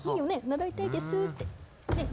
習いたいですって。